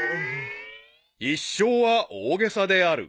［一生は大げさである］